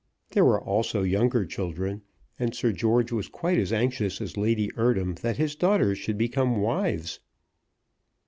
There were also younger children; and Sir George was quite as anxious as Lady Eardham that his daughters should become wives.